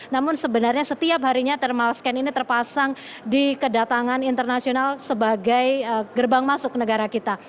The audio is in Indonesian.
namun sebenarnya setiap harinya thermal scan ini terpasang di kedatangan internasional sebagai gerbang masuk negara kita